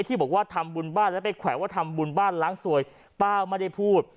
ที่บอกว่าทำบุญบ้านแล้วไปแขวะทำบุญบ้านล้างสวยป้าไม่ได้พูด